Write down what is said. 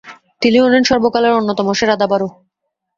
তিনি হলেন সর্বকালের অন্যতম সেরা দাবাড়ু।